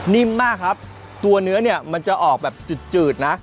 มากครับตัวเนื้อเนี่ยมันจะออกแบบจืดนะ